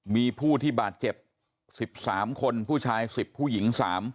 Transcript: มีผู้ที่บาดเจ็บ๑๓คนผู้ชาย๑๐ผู้หญิง๓